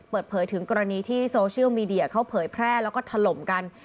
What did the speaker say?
เปิดเผยถึงกรณีที่โซเชียลมีเดียเขาเผยแพร่แล้วก็ถล่มกัน